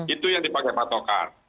itu yang dipakai pak tokar